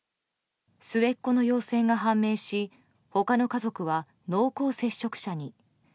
末っ子の陽性が判明し他の家族は濃厚接触者に。